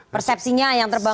persepsinya yang terbangun